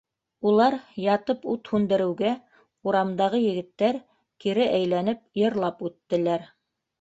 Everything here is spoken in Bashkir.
Улар ятып ут һүндереүгә, урамдағы егеттәр кире әйләнеп йырлап үттеләр.